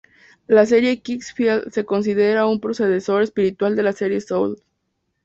La serie King's Field se considera un predecesor espiritual de la serie Souls.